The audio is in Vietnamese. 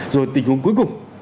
rồi tình huống cuối cùng